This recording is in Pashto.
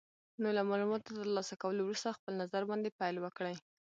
نو له مالوماتو تر لاسه کولو وروسته خپل نظر باندې پیل وکړئ.